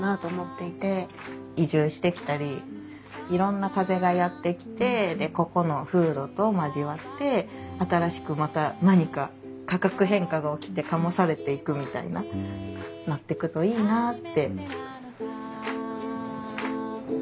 移住してきたりいろんな風がやって来てでここの風土と交わって新しくまた何か化学変化が起きて醸されていくみたいななってくといいなあって。